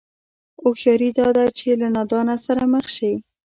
هوښياري دا ده چې له نادانه سره مخ شي.